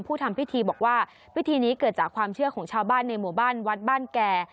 ทำพิธีบอกว่าพิธีนี้เกิดจากความเชื่อของชาวบ้านในหมู่บ้านวัดบ้านแก่